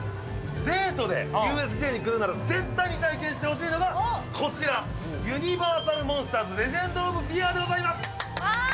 デートでＵＳＪに来るなら、絶対に体験してほしいのがこちら、ユニバーサル・モンスターズレジェンド・オブ・フィアーでございます。